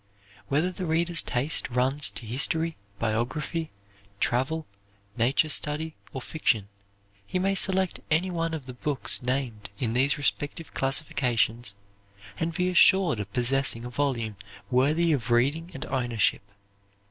Whether the reader's taste runs to history, biography, travel, nature study, or fiction, he may select any one of the books named in these respective classifications and be assured of possessing a volume worthy of reading and ownership.